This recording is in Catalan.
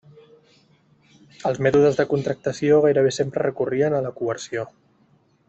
Els mètodes de contractació gairebé sempre recorrien a la coerció.